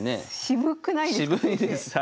渋くないですか？